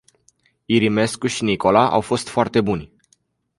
Irimescu și Nicola au fost foarte buni.